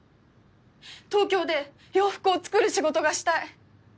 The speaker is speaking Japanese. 東京で洋服を作る仕事がしたい。